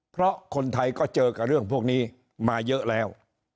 เพราะคนไทยก็เจอกับเรื่องพวกนี้มาเยอะแล้ว